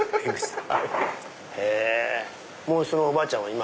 もうそのおばあちゃんは今。